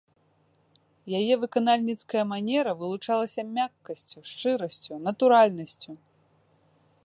Яе выканальніцкая манера вылучалася мяккасцю, шчырасцю, натуральнасцю.